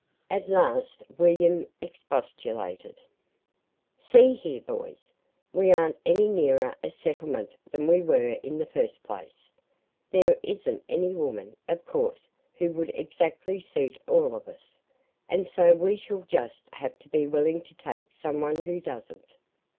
At last William expostulated: "See here, boys, we aren't any nearer a settlement than we were in the first place. There isn't any woman, of course, who would exactly suit all of us; and so we shall just have to be willing to take some one who doesn't."